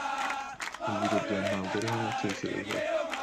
Ibiro bya ntabwo ariho natekerezaga.